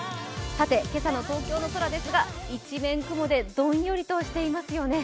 今朝の東京の空ですが一面雲でどんよりしてますよね。